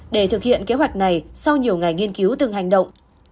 để thực hiện kế hoạch này sau nhiều ngày nghiên cứu từng hành động